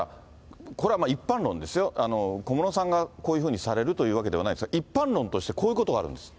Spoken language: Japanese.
これは一般論ですよ、小室さんがこういうふうにされるというわけではないですよ、一般論として、こういうことがあるんですって。